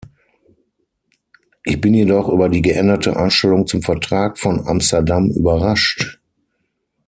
Ich bin jedoch über die geänderte Einstellung zum Vertrag von Amsterdam überrascht.